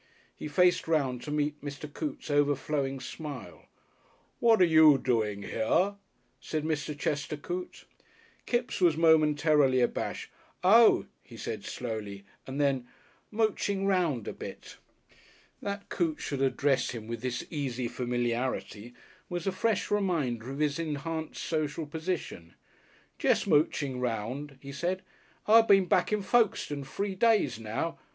He faced round to meet Mr. Coote's overflowing smile. "What are you doang hea?" said Mr. Chester Coote. Kipps was momentarily abashed. "Oh," he said slowly, and then, "Mooching round a bit." That Coote should address him with this easy familiarity was a fresh reminder of his enhanced social position. "Jes' mooching round," he said. "I been back in Folkestone free days now.